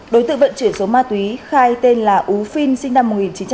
đối tượng vận chuyển số ma túy khai tên là ú phin sinh năm một nghìn chín trăm sáu mươi chín